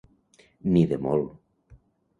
Ni de molt.